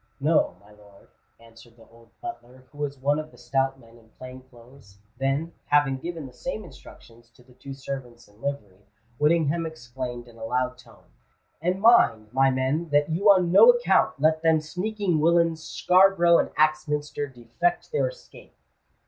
"No, my lord," answered the old butler, who was one of the stout men in plain clothes: then, having given the same instructions to the two servants in livery, Whittingham exclaimed in a loud tone, "And mind, my men, that you on no account let them sneaking willains Scarborough and Axminster defect their escape!"